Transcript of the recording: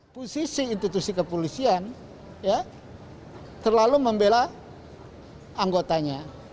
posisi institusi kepolisian terlalu membela anggotanya